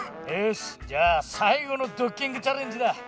よしじゃあさいごのドッキングチャレンジだ。